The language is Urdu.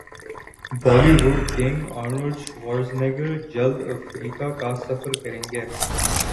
Bali would king Arnold Schwarzenegger جلد افریقہ کاسفر کریں گے